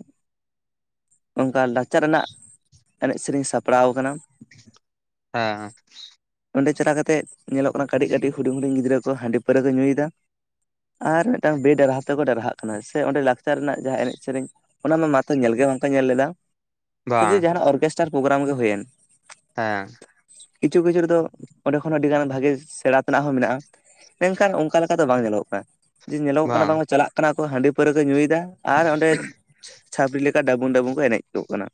Speaker 2: ᱚᱱᱠᱟ ᱞᱟᱠᱪᱟᱨ ᱨᱮᱱᱟᱜ ᱮᱱᱮᱡ ᱥᱮᱨᱮᱧ ᱥᱟᱯᱲᱟᱣ ᱟᱠᱟᱱᱟ᱾
Speaker 1: ᱦᱮᱸ ᱦᱚᱸ
Speaker 2: ᱚᱸᱰᱮ ᱪᱟᱞᱟᱠᱟ ᱠᱟᱛᱮᱜ ᱧᱮᱞᱚᱜ ᱠᱟᱱᱟ ᱠᱟᱹᱴᱤᱜᱽ ᱠᱟᱹᱴᱤᱜᱽ ᱦᱩᱰᱤᱝ ᱦᱩᱰᱤᱝ ᱜᱤᱫᱽᱨᱟᱹ ᱠᱚ ᱦᱟ‍ᱸᱰᱤ ᱯᱟᱹᱨᱟᱹ ᱠᱚ ᱧᱩᱭᱮᱫᱟ᱾ ᱟᱨ ᱢᱤᱫᱴᱟᱝ ᱵᱮ ᱰᱟᱨᱦᱟ ᱛᱮᱠᱚ ᱰᱟᱨᱦᱟᱜ ᱠᱟᱱᱟ ᱥᱮ ᱚᱸᱰᱮ ᱞᱟᱠᱪᱟᱨ ᱨᱮᱱᱟᱜ ᱡᱟᱦᱟᱸ ᱮᱱᱮᱡ ᱥᱮᱨᱮᱧ᱾ ᱚᱱᱟ ᱢᱟ ᱢᱟᱛᱚ ᱧᱮᱞ ᱜᱮ ᱵᱟᱝ ᱠᱚ ᱧᱮᱞ ᱞᱮᱫᱟ ᱡᱮ
Speaker 1: ᱵᱟᱝ
Speaker 2: ᱡᱟᱦᱟᱱᱟᱜ ᱚᱨᱜᱮᱥᱴᱟᱨ ᱯᱨᱳᱜᱨᱟᱢ ᱜᱮ ᱦᱩᱭᱮᱱ,
Speaker 1: ᱦᱮᱸᱻ
Speaker 2: ᱤᱪᱷᱩ ᱠᱤᱪᱷᱩ ᱨᱤ ᱛᱚ ᱚᱸᱰᱮ ᱠᱷᱚᱱ ᱟᱹᱰᱤ ᱜᱟᱱ ᱵᱷᱟᱹᱜᱤ ᱥᱮᱬᱟ ᱛᱮᱱᱟᱜ ᱦᱚᱸ ᱢᱮᱱᱟᱜᱼᱟ ᱢᱮᱱᱠᱷᱟᱱ ᱚᱱᱠᱟ ᱞᱮᱠᱟ ᱫᱚ ᱵᱟᱝ ᱧᱮᱞᱚᱜ ᱠᱟᱱᱟ᱾ ᱡᱮ ᱧᱮᱞᱚᱜᱚᱜ ᱠᱟᱱᱟ ᱵᱟᱝ ᱪᱟᱞᱟᱜ ᱠᱟᱱᱟ ᱠᱚ ᱦᱟᱺᱰᱤ ᱯᱟᱹᱣᱨᱟᱹ ᱠᱚ ᱧᱩᱭᱮᱫᱟ ᱟᱨ ᱚᱱᱰᱮ ᱪᱷᱟᱯᱲᱤ ᱞᱮᱠᱟ ᱰᱟᱵᱩᱜ ᱰᱟᱵᱩᱜ ᱠᱚ ᱮᱱᱮᱡ ᱠᱚᱜ ᱠᱟᱱᱟ᱾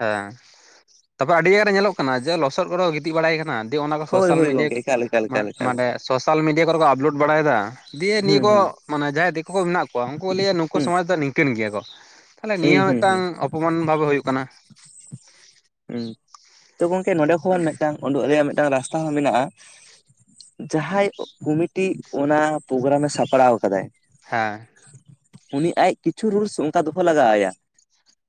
Speaker 1: ᱦᱮᱸ ᱛᱚᱯᱮ ᱟᱹᱰᱤ ᱜᱟᱱ ᱨᱮ ᱧᱮᱞᱚᱜ ᱠᱟᱱᱟ ᱡᱮ ᱞᱚᱥᱚᱫ ᱠᱚᱨᱮ ᱠᱚ ᱜᱤᱛᱤᱡ ᱵᱟᱲᱟᱭ ᱠᱟᱱᱟ᱾ ᱡᱩᱫᱤ ᱚᱱᱟ ᱠᱚ
Speaker 2: ᱦᱳᱭ
Speaker 1: ᱥᱳᱥᱟᱞ
Speaker 2: ᱦᱳᱭ
Speaker 1: ᱢᱤᱰᱤᱭᱟ
Speaker 2: ᱜᱚᱝᱠᱮ ᱮᱠᱟᱞ ᱮᱠᱟᱞ ᱮᱠᱟᱞ ᱮᱠᱟᱞ
Speaker 1: ᱢᱟᱱᱮ ᱥᱳᱥᱟᱞ ᱢᱤᱰᱤᱭᱟ ᱠᱚᱨᱮ ᱠᱚ ᱟᱯᱞᱳᱰ ᱵᱟᱲᱟᱭᱮᱫᱟ᱾ ᱫᱤᱭᱮ ᱱᱤᱭᱟᱹ
Speaker 2: ᱦᱩᱸ
Speaker 1: ᱠᱚ
Speaker 2: ᱦᱩᱸ
Speaker 1: ᱢᱟᱱᱮ ᱡᱟᱦᱟᱸᱭ ᱫᱤᱠᱩ ᱠᱚ ᱢᱮᱱᱟᱜ ᱠᱚᱣᱟ ᱩᱱᱠᱩ ᱞᱟᱹᱭᱟ ᱱᱩᱠᱩ
Speaker 2: ᱦᱩᱸ
Speaker 1: ᱥᱚᱢᱟᱡ ᱫᱚ ᱱᱤᱝ ᱠᱟᱹᱤᱱ ᱜᱮᱭᱟ ᱠᱚ ᱛᱟᱦᱚᱞᱮ ᱱᱤᱭᱟᱹ
Speaker 2: ᱦᱩᱸ ᱦᱩᱸ ᱦᱩᱸ
Speaker 1: ᱢᱤᱫᱴᱟᱝ ᱚᱯᱚᱢᱟᱱ ᱵᱷᱟᱵᱮ ᱦᱩᱭᱩᱜ ᱠᱟᱱᱟ᱾
Speaker 2: ᱦᱩᱸ ᱛᱚ ᱜᱚᱢᱠᱮ ᱱᱚᱸᱰᱮ ᱠᱷᱚᱱ ᱢᱤᱫᱴᱟᱝ ᱩᱱᱰᱩᱜ ᱨᱮᱭᱟᱜ ᱢᱤᱫᱴᱟᱝ ᱨᱟᱥᱛᱟ ᱦᱚᱸ ᱢᱮᱱᱟᱜᱼᱟ᱾ ᱡᱟᱦᱟᱸᱭ ᱠᱩᱢᱤᱴᱤ ᱚᱱᱟ ᱯᱨᱳᱜᱨᱟᱢ ᱮ ᱥᱟᱯᱲᱟᱣ ᱠᱟᱫᱟᱭ
Speaker 1: ᱦᱮᱸᱻ
Speaker 2: ᱩᱱᱤ ᱟᱡᱽ ᱠᱤᱪᱷᱩ ᱨᱩᱞᱥ ᱚᱝᱠᱟ ᱫᱚᱦᱚ ᱞᱟᱜᱟᱣ ᱟᱭᱟ᱾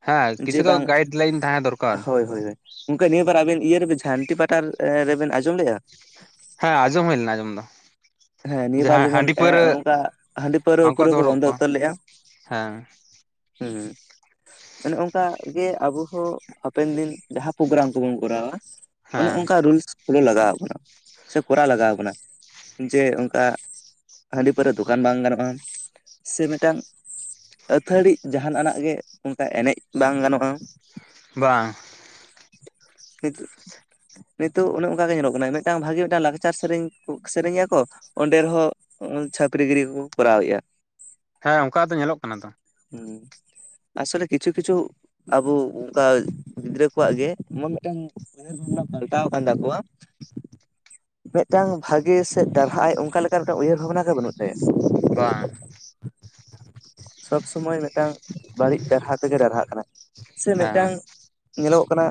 Speaker 1: ᱦᱮᱸ
Speaker 2: ᱡᱮ
Speaker 1: ᱠᱤᱪᱩ ᱛᱚ
Speaker 2: ᱵᱟᱝ
Speaker 1: ᱜᱟᱭᱤᱰ ᱞᱟᱭᱤᱱ ᱛᱟᱦᱮᱸ ᱫᱚᱨᱠᱟᱨ᱾
Speaker 2: ᱦᱳᱭ ᱦᱳᱭ ᱜᱚᱝᱠᱮ ᱱᱤᱭᱟᱹᱵᱟᱨ ᱟᱵᱤᱱ ᱤᱭᱟᱹ ᱨᱮᱵᱤᱱ ᱡᱷᱟᱱᱴᱤ ᱯᱟᱴᱟ ᱨᱮᱵᱮᱱ ᱟᱸᱡᱚᱢ ᱞᱮᱜᱼᱟ?
Speaker 1: ᱦᱮᱸ ᱟᱡᱚᱢ ᱦᱩᱭ ᱞᱮᱱᱟ ᱟᱸᱡᱚᱢ ᱫᱚ᱾
Speaker 2: ᱦᱮᱸ ᱱᱤᱭᱟᱹ ᱵᱟᱨ
Speaker 1: ᱡᱟᱦᱟᱸ
Speaker 2: ᱡᱮᱢᱚᱱ
Speaker 1: ᱦᱟᱺᱰᱤ
Speaker 2: ᱮᱸᱜ
Speaker 1: ᱯᱟᱹᱣᱨᱟᱹ
Speaker 2: ᱱᱚᱝᱠᱟ ᱦᱟᱺᱰᱤ ᱯᱟᱹᱣᱨᱟᱹ ᱯᱩᱨᱟᱹ ᱠᱚ ᱵᱚᱱᱫᱚ ᱩᱛᱟᱹᱨ ᱞᱮᱜᱼᱟ᱾
Speaker 1: ᱦᱮᱸᱻ
Speaker 2: ᱦᱚᱸ ᱛᱟᱱᱮ ᱚᱱᱠᱟ ᱜᱮ ᱟᱵᱚ ᱦᱚᱸ ᱦᱟᱯᱮᱱ ᱫᱤᱱ ᱡᱟᱦᱟᱸ ᱯᱨᱳᱜᱨᱟᱢ ᱠᱚᱵᱚᱱ ᱠᱚᱨᱟᱣᱟ, ᱚᱱᱮ
Speaker 1: ᱦᱮᱸ
Speaker 2: ᱚᱝᱠᱟ ᱨᱩᱞᱥ ᱠᱷᱩᱞᱟᱹᱣ ᱞᱟᱜᱟᱣ ᱠᱚᱱᱟ ᱥᱮ ᱠᱚᱨᱟ ᱞᱟᱜᱟᱣ ᱠᱚᱱᱟ ᱡᱮ ᱚᱝᱠᱟ ᱦᱟᱺᱰᱤ ᱯᱟᱹᱨᱟᱹ ᱫᱚᱠᱟᱱ ᱵᱟᱝ ᱜᱟᱱᱚᱜᱼᱟ ᱥᱮ ᱢᱤᱫᱴᱟᱝ ᱟᱹᱛᱷᱟᱹᱲᱤ ᱡᱟᱦᱱᱟᱜ ᱟᱱᱟᱜ ᱜᱮ ᱚᱝᱠᱟ ᱮᱱᱮᱡ ᱵᱟᱝ ᱜᱟᱱᱚᱜᱼᱟ᱾
Speaker 1: ᱵᱟᱝ
Speaker 2: [unintelligible] ᱱᱤᱛᱩᱜ ᱚᱱᱮ ᱚᱱᱠᱟ ᱜᱮ ᱧᱮᱞᱚᱜ ᱠᱟᱱᱟ ᱢᱤᱫᱴᱟᱝ ᱵᱷᱟᱜᱤ ᱢᱤᱫᱴᱟᱝ ᱞᱟᱠᱪᱟᱨ ᱥᱮᱨᱮᱧ ᱥᱮᱨᱮᱧ ᱟᱠᱚ᱾ ᱚᱸᱰᱮ ᱨᱮᱦᱚᱸ ᱪᱷᱟᱹᱯᱨᱤ ᱜᱤᱨᱤ ᱠᱚᱠᱚ ᱠᱚᱨᱟᱣᱮᱫᱼᱟ᱾
Speaker 1: ᱦᱮᱸ ᱚᱝᱠᱟ ᱜᱮ ᱛᱚ ᱧᱮᱞᱚᱜ ᱠᱟᱱᱟ ᱛᱚ᱾
Speaker 2: ᱦᱩᱸ ᱟᱥᱚᱞᱮ ᱠᱤᱪᱩ ᱠᱤᱪᱩ ᱟᱵᱚ ᱩᱝ ᱠᱟ ᱜᱤᱫᱽᱨᱟᱹ ᱠᱚᱣᱟᱜ ᱜᱮ ᱮᱢᱚᱱ ᱢᱤᱫᱴᱟᱱ ᱩᱭᱦᱟᱹᱨ ᱵᱷᱟᱵᱱᱟ ᱯᱟᱞᱴᱟᱣ ᱠᱟᱱ ᱛᱟᱠᱚᱣᱟ ᱢᱤᱫᱴᱟᱝ ᱵᱷᱟᱜᱤ ᱥᱮᱜ ᱫᱟᱨᱦᱟᱭ ᱟᱭ ᱚᱝᱠᱟ ᱞᱮᱠᱟ ᱢᱤᱫᱴᱟᱝ ᱩᱭᱦᱟᱹᱨ ᱵᱷᱟᱵᱱᱟ ᱜᱮ ᱵᱟᱹᱱᱩᱜ ᱛᱟᱭᱟ᱾
Speaker 1: ᱵᱟᱝ
Speaker 2: ᱥᱚᱵ ᱥᱚᱢᱚᱭ ᱢᱤᱫᱴᱟᱝ ᱵᱟᱹᱲᱤᱡ ᱰᱟᱨᱦᱟ ᱛᱮᱜᱮ ᱨᱟᱨᱦᱟᱜ ᱠᱟᱱᱟ, ᱥᱮ
Speaker 1: ᱦᱮᱸ
Speaker 2: ᱢᱤᱫᱴᱟᱝ ᱧᱮᱞᱚᱜ ᱠᱟᱱᱟ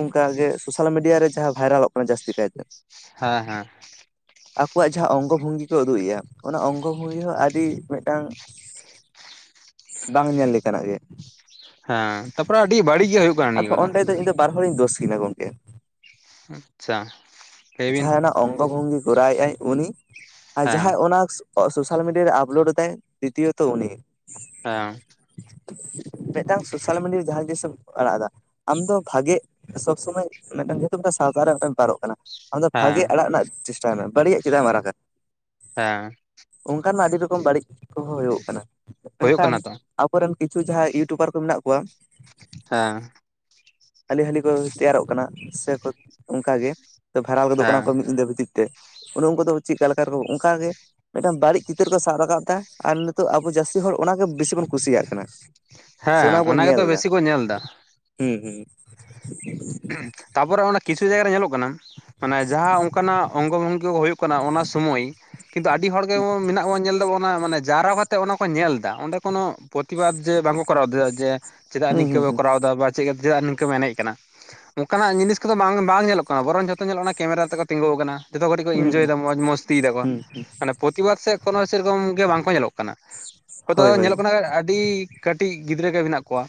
Speaker 2: ᱚᱝᱠᱟᱜᱮ ᱥᱳᱥᱟᱞ ᱢᱤᱰᱤᱭᱟ ᱨᱮ ᱡᱟᱦᱟᱸ ᱵᱷᱟᱭᱨᱟᱞᱚᱜ ᱠᱟᱱᱟ ᱡᱟᱹᱥᱛᱤ ᱠᱟᱭᱛᱮ,
Speaker 1: ᱦᱟᱸ ᱦᱟᱸ
Speaker 2: ᱟᱠᱚᱣᱟᱜ ᱡᱟᱦᱟᱸ ᱚᱝᱜᱚ ᱵᱷᱚᱝᱜᱤ ᱠᱚ ᱩᱫᱩᱜ ᱮᱭᱟ ᱚᱱᱟ ᱚᱝᱜᱚ ᱦᱩᱭ ᱦᱚᱸ ᱟᱹᱰᱤ ᱢᱤᱫᱴᱟᱝ ᱵᱟᱝ ᱧᱮᱞ ᱞᱮᱠᱟᱱᱟᱜ ᱜᱮ,
Speaker 1: ᱦᱮᱸ ᱛᱟᱯᱚᱨᱮ ᱟᱹᱰᱤ ᱵᱟᱹᱲᱤᱡ ᱜᱮ ᱦᱩᱭᱩᱜ ᱠᱟᱱᱟ
Speaker 2: ᱟᱫᱚ
Speaker 1: ᱱᱤᱭᱟᱹ ᱠᱚᱫᱚ᱾
Speaker 2: ᱚᱸᱰᱮ ᱫᱚ ᱤᱧ ᱫᱚ ᱵᱟᱨ ᱦᱚᱲᱤᱧ ᱫᱚᱥ ᱠᱤᱱᱟ ᱜᱚᱝᱠᱮ᱾
Speaker 1: ᱦᱸ ᱟᱪᱷᱟ ᱞᱟᱹᱭᱵᱤᱱ᱾
Speaker 2: ᱡᱟᱦᱟᱸᱭ ᱚᱱᱟ ᱚᱝᱜᱚ ᱵᱷᱚᱝᱜᱤ ᱠᱚᱨᱟᱣ ᱮ ᱟᱭ ᱩᱱᱤ ᱟᱨ
Speaker 1: ᱦᱮᱸ
Speaker 2: ᱡᱟᱦᱟᱸᱭ ᱚᱱᱟᱠᱥ [inaudible] ᱥᱳᱥᱟᱞ ᱢᱤᱰᱤᱭᱟ ᱨᱮ ᱟᱯᱞᱳᱰ ᱫᱟᱭ ᱛᱤᱛᱤᱭᱚᱛᱚ ᱩᱱᱤ᱾
Speaker 1: ᱦᱮᱸ
Speaker 2: ᱢᱤᱫᱴᱟᱝ ᱥᱳᱥᱟᱞ ᱢᱤᱰᱤᱭᱟ ᱨᱮ ᱡᱟᱦᱟᱸ ᱡᱤᱱᱤᱥᱮ ᱮᱢ ᱟᱲᱟᱜ ᱫᱟ, ᱟᱢᱫᱚ ᱵᱷᱟᱜᱮ ᱥᱚᱵ ᱥᱚᱢᱚᱭ ᱢᱤᱫᱴᱟᱝ ᱡᱮᱦᱮᱛᱩ ᱢᱤᱫᱴᱟᱝ ᱥᱟᱶᱛᱟ ᱨᱮᱴᱟᱝ ᱯᱟᱨᱚᱜ ᱠᱟᱱᱟ᱾ ᱟᱢᱫᱚ ᱵᱷᱟᱜᱤ
Speaker 1: ᱦᱮᱸ
Speaker 2: ᱟᱲᱟᱜ ᱨᱮᱱᱟᱜ ᱪᱮᱥᱴᱟᱭ ᱢᱮ ᱵᱟᱹᱲᱤᱡ ᱪᱮᱫᱟᱜ ᱮᱢ ᱟᱲᱟᱜᱟ?
Speaker 1: ᱦᱮᱸᱻ
Speaker 2: ᱚᱱᱠᱟ ᱢᱟ ᱟᱹᱰᱤ ᱨᱚᱠᱚᱢ ᱵᱟᱹᱲᱤᱡ ᱠᱚᱦᱚᱸ ᱦᱩᱭᱩᱜ ᱠᱟᱱᱟ,
Speaker 1: ᱦᱩᱭᱩᱜ
Speaker 2: ᱢᱮᱱᱠᱷᱟᱱ
Speaker 1: ᱠᱟᱱᱟ ᱛᱚ
Speaker 2: ᱟᱵᱚᱨᱮᱱ ᱠᱤᱪᱷᱩ ᱡᱟᱦᱟᱸᱭ ᱤᱭᱩᱴᱩᱵᱟᱨ ᱠᱚ ᱢᱮᱱᱟᱜ ᱠᱚᱣᱟ
Speaker 1: ᱦᱮᱸ
Speaker 2: ᱦᱟᱹᱞᱤ ᱦᱟᱹᱞᱤ ᱠᱚ ᱛᱮᱭᱟᱨᱚᱜ ᱠᱟᱱᱟ ᱥᱮ ᱠᱚ ᱚᱱᱠᱟ ᱜᱮ ᱵᱷᱮᱟᱨᱟᱞ ᱜᱚᱫᱚᱜ ᱠᱟᱱᱟ ᱠᱚ
Speaker 1: ᱦᱮᱸ
Speaker 2: ᱢᱤᱫ ᱧᱤᱫᱟᱹ ᱵᱷᱤᱛᱤᱨ ᱛᱮ ᱚᱱᱮ ᱩᱱᱠᱩ ᱫᱚ ᱪᱮᱫ ᱞᱮᱠᱟᱠᱚ ᱚᱱᱠᱟ ᱜᱮ ᱢᱤᱫᱴᱟᱝ ᱵᱟᱹᱲᱤᱡ ᱪᱤᱛᱟᱹᱨ ᱠᱚ ᱥᱟᱵ ᱨᱟᱠᱟᱵ ᱮᱫᱟ ᱟᱨ ᱱᱤᱛᱚᱜ ᱟᱵᱚ ᱡᱟᱹᱥᱛᱤ ᱦᱚᱲ ᱚᱱᱟᱜᱮ ᱵᱮᱥᱤ ᱵᱚᱱ ᱠᱩᱥᱤᱭᱟᱜ ᱠᱟᱱᱟ ᱥᱮ
Speaker 1: ᱦᱮᱸ
Speaker 2: ᱚᱱᱟ ᱵᱚᱱ ᱧᱮᱞ
Speaker 1: ᱜᱮᱛᱚ
Speaker 2: ᱮᱫᱟ
Speaker 1: ᱵᱮᱥᱤ ᱠᱚ ᱧᱮᱞ ᱮᱫᱟ
Speaker 2: ᱦᱩᱸ ᱦᱮᱸ
Speaker 1: ᱛᱟᱨᱯᱚᱨᱮ ᱚᱱᱟ ᱠᱤᱪᱷᱩ ᱡᱟᱭᱜᱟ ᱨᱮ ᱧᱮᱞᱚᱜ ᱠᱟᱱᱟ ᱢᱟᱱᱮ ᱡᱟᱦᱟᱸ ᱚᱱᱠᱟᱱᱟᱜ ᱚᱝᱜᱚ ᱵᱷᱚᱝᱜᱤ ᱦᱩᱭᱩᱜ ᱠᱟᱱᱟ ᱚᱱᱟ ᱥᱚᱢᱚᱭ ᱠᱤᱱᱛᱩ ᱟᱹᱰᱤ ᱦᱚᱲ ᱜᱮ ᱵᱚ ᱢᱮᱱᱟᱜ ᱵᱚᱱ ᱧᱮᱞ ᱮᱫᱟᱵᱚ ᱚᱱᱟ ᱢᱟᱱᱮ ᱡᱟᱨᱟ ᱵᱟᱛ ᱚᱱᱟ ᱠᱚ ᱧᱮᱞ ᱮᱫᱟ ᱚᱸᱰᱮ ᱠᱚᱱᱚ ᱯᱨᱚᱛᱤᱵᱟᱫᱽ ᱡᱮ ᱵᱟᱝᱠᱚ ᱠᱚᱨᱟᱣ ᱮᱫᱟ ᱡᱮ ᱪᱮᱫᱟᱜ
Speaker 2: ᱦᱩᱸ ᱦᱩᱸ ᱦᱩᱸ
Speaker 1: ᱱᱤᱝᱠᱟᱹ
Speaker 2: ᱦᱩᱸ
Speaker 1: ᱠᱚᱨᱟᱣ ᱮᱫᱟ ᱵᱟ ᱪᱮᱫᱟᱜ ᱱᱤᱝᱠᱟᱹ ᱮᱱᱮᱡ ᱠᱟᱱᱟ ᱚᱱᱠᱟᱱᱟᱜ ᱡᱤᱱᱤᱥ ᱠᱚᱫᱚ ᱵᱟᱝ ᱵᱟᱝ ᱧᱮᱞᱚᱜ ᱠᱟᱱᱟ ᱵᱚᱨᱚᱱ ᱡᱷᱚᱛᱚ ᱧᱮᱞᱚᱜ ᱠᱟᱱᱟ ᱠᱮᱢᱮᱨᱟ ᱛᱮᱠᱚ ᱛᱤᱸᱜᱩ ᱟᱠᱟᱱᱟ ᱡᱚᱛᱚ ᱠᱟᱴᱤᱡ ᱠᱚ
Speaker 2: ᱦᱩᱸ ᱦᱩᱸ
Speaker 1: ᱤᱱᱡᱚᱭᱮᱫᱟ ᱢᱚᱡᱽ ᱢᱟᱥᱛᱤᱭ ᱮᱫᱟ ᱠᱚᱣᱟ
Speaker 2: ᱦᱩᱸ
Speaker 1: ᱯᱚᱛ ᱯᱨᱚᱛᱤᱵᱟᱫ ᱥᱮᱫ ᱠᱳᱱᱳ ᱥᱮᱨᱚᱠᱚᱢ ᱜᱮ ᱵᱟᱝ ᱠᱚ ᱧᱮᱞᱚᱜ ᱠᱟᱱᱟ ᱚᱠᱚᱭ ᱫᱚ
Speaker 2: ᱦᱳᱭ ᱦᱳᱭ
Speaker 1: ᱧᱮᱞᱚᱜ ᱠᱟᱱᱟ ᱟᱹᱰᱤ ᱠᱟᱹᱴᱤᱡ ᱜᱤᱫᱽᱨᱟᱹ ᱜᱮ ᱢᱮᱱᱟᱜ ᱠᱚᱣᱟ